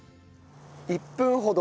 １分ほど。